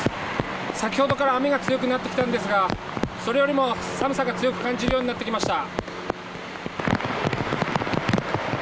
先ほどから雨が強くなってきたんですがそれよりも寒さが強く感じるようになってきました。